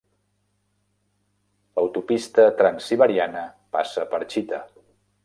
L'autopista Transsiberiana passa per Chita.